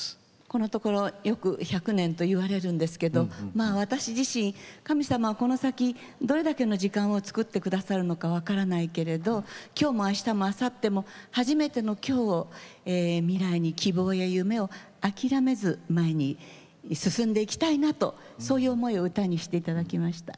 このところよく１００年といわれるんですけど私自身、神様は、この先どれだけの時間を作ってくださるのか分からないけどきょうも、あしたも、あさっても「初めての今日を」未来に希望や夢を諦めず前に進んでいきたいなとそういう思いを歌にしていただきました。